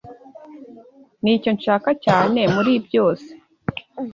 Nicyo nshaka cyane muri byose.